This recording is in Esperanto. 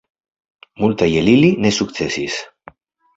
Multaj el ili ne sukcesis.